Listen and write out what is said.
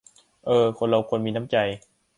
เออ คนเราควรมีน้ำใจ